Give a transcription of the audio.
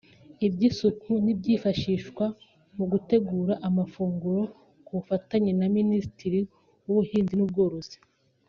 iby’isuku n’ibyifashishwa mu gutegura amafunguro ku bufatanye na Minisiteri y’Ubuhinzi n’Ubworozi